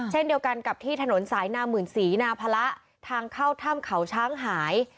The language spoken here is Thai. เช่นเดียวกันกับที่ถนนสายนาหมื่นศรีนาพละทางเข้าถ้ำเขาช้างหาย